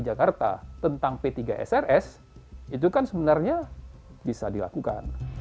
jakarta tentang p tiga srs itu kan sebenarnya bisa dilakukan